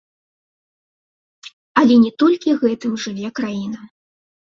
Але не толькі гэтым жыве краіна.